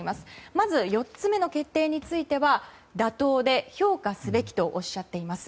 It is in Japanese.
まず、４つ目の決定については妥当で評価すべきとおっしゃっています。